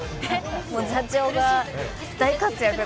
もう座長が大活躍で。